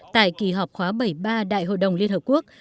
tại kỳ họp khóa bảy mươi ba đại hội đồng liên hợp quốc